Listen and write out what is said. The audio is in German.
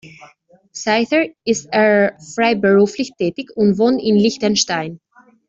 Seither ist er freiberuflich tätig und wohnt in Liechtenstein.